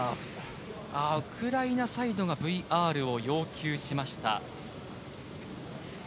ウクライナサイドがＶＡＲを要求しました。